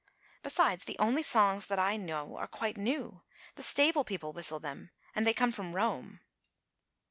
Besides the only songs that I know are quite new. The stable people whistle them, and they come from Rome.